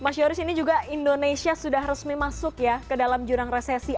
mas yoris ini juga indonesia sudah resmi masuk ya ke dalam jurang resesi